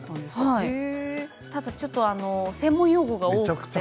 ただちょっと専門用語が多すぎて。